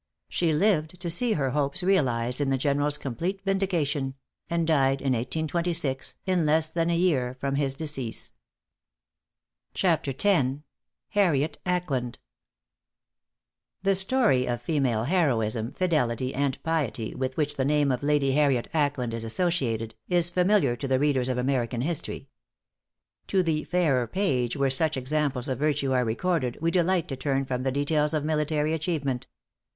She lived to see her hopes, realized in the General's complete vindication; and died in 1826, in less than a year from his decease. X. HARRIET ACKLAND. [Illustration: 0196] |The story of female heroism, fidelity, and piety, with which the name of Lady Harriet Ackland is associated, is familiar to the readers of American history. To the fairer page where such examples of virtue are recorded, we delight to turn from the details of military achievement.